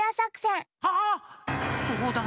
ああっそうだ！